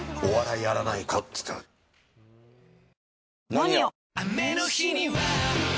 「ＮＯＮＩＯ」！